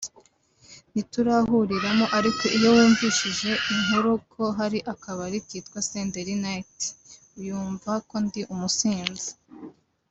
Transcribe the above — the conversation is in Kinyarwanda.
ntiturahuriramo ariko iyo yumvise inkuru ko hari akabari kitwa Senderi Night yumva ko ndi umusinzi